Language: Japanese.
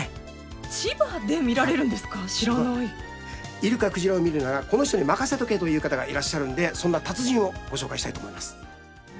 イルカ・クジラを見るならこの人に任せとけという方がいらっしゃるんでそんな達人をご紹介したいと思います。